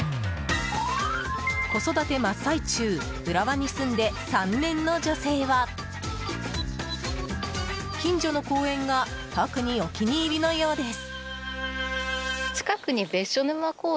子育て真っ最中浦和に住んで３年の女性は近所の公園が特にお気に入りのようです。